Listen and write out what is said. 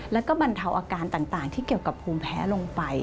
แล้วก็บรรเทาอาการต่างที่เกี่ยวกับภูมิแพ้ลงไป